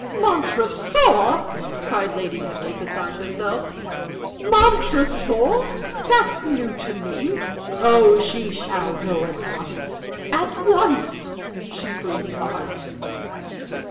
"Montresor!" cried Lady Henry, beside herself. "Montresor! That's new to me. Oh, she shall go at once at once!" She breathed hard.